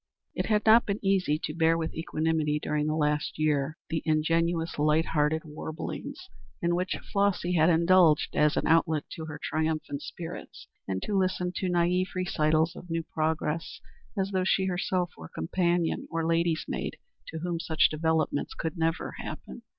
It had not been easy to bear with equanimity during the last year the ingenuous, light hearted warblings in which Flossy had indulged as an outlet to her triumphant spirits, and to listen to naïve recitals of new progress, as though she herself were a companion or ladies' maid, to whom such developments could never happen.